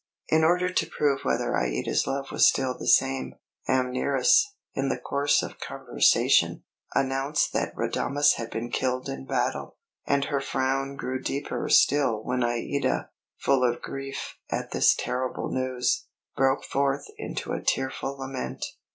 In order to prove whether Aïda's love was still the same, Amneris, in the course of conversation, announced that Radames had been killed in battle, and her frown grew deeper still when Aïda, full of grief at this terrible news, broke forth into a tearful lament.